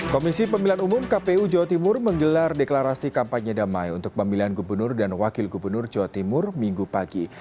komisi pemilihan umum kpu jawa timur menggelar deklarasi kampanye damai untuk pemilihan gubernur dan wakil gubernur jawa timur minggu pagi